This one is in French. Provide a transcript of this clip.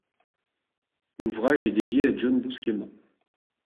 L'ouvrage est dédié à John Buscema.